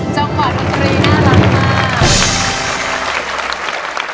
จังหวัดดนตรีน่ารักมาก